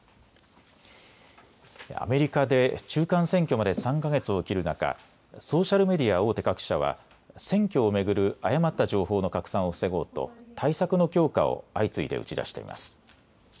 アメリカで中間選挙まで３か月を切る中、ソーシャルメディア大手各社は選挙を巡る誤った情報の拡散を防ごうと対策の強化を相次いで打ち出しています。